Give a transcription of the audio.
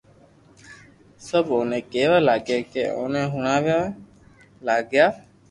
سب اوني ڪيوا لاگيا ڪي اوني ھڻاوي لاگيا